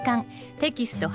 テキスト８